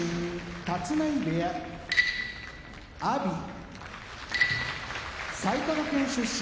立浪部屋阿炎埼玉県出身